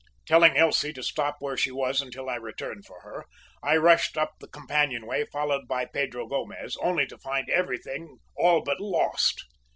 "Telling Elsie to stop where she was until I returned for her, I rushed up the companion way, followed by Pedro Gomez, only to find everything all but lost!